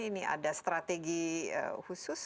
ini ada strategi khusus